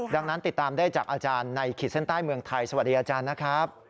ดังนั้นติดตามได้จากอาจารย์ในขีดเส้นใต้เมืองไทยสวัสดีอาจารย์นะครับ